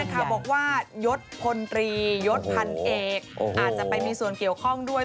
บอกว่ายศพลตรียศพันเอกอาจจะไปมีส่วนเกี่ยวข้องด้วย